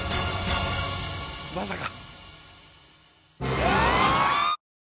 まさか。